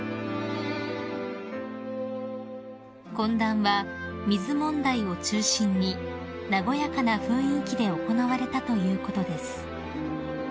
［懇談は水問題を中心に和やかな雰囲気で行われたということです］